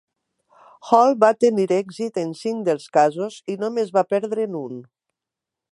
Hall va tenir èxit en cinc dels casos i només va perdre'n un.